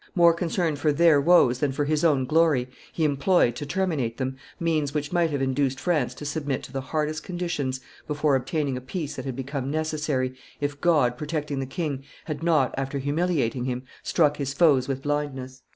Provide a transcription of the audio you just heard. More concerned for their woes than for his own glory, he employed, to terminate them, means which might have induced France to submit to the hardest conditions before obtaining a peace that had become necessary, if God, protecting the king, had not, after humiliating him, struck his foes with blindness."